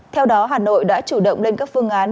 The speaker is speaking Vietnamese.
theo đó hà nội đã chủ động lên các phương án